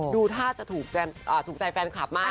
ดูท่าจะถูกใจแฟนคลับมาก